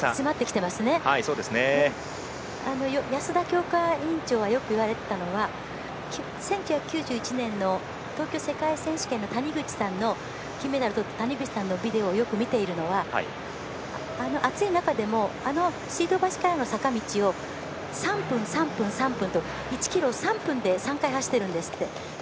安田強化委員長がよく言われていたのが１９９１年の東京世界選手権の金メダルの谷口さんのビデオをよく見ているのは暑い中でもあの水道橋からの坂道を３分、３分、３分と１ｋｍを３分で３回走ってるんです。